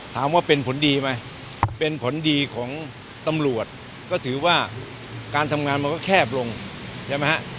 ถามว่าเป็นผลดีไหมเป็นผลดีของตำรวจ